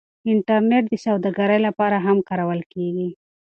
انټرنیټ د سوداګرۍ لپاره هم کارول کیږي.